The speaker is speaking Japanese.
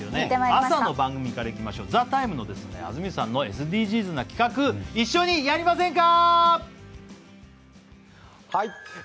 朝の番組からいきましょう、「ＴＨＥＴＩＭＥ，」の安住さんのＳＤＧｓな企画、一緒にやりませんか？